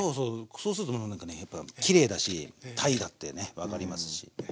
そうするとなんかねきれいだし鯛だってね分かりますし。